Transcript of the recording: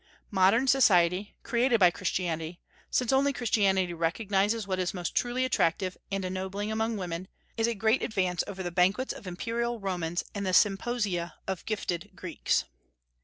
Modern society, created by Christianity, since only Christianity recognizes what is most truly attractive and ennobling among women is a great advance over the banquets of imperial Romans and the symposia of gifted Greeks.